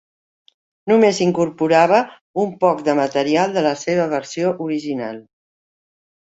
Només incorporava un poc de material de la seva versió original.